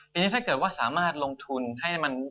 ทีนี้ถ้าเกิดว่าสามารถลงทุนให้มัน